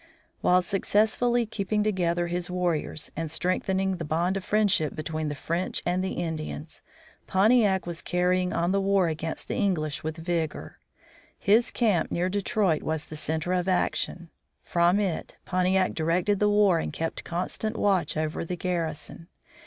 While successfully keeping together his warriors and strengthening the bond of friendship between the French and the Indians, Pontiac was carrying on the war against the English with vigor. His camp near Detroit was the center of action. From it Pontiac directed the war and kept constant watch over the garrison.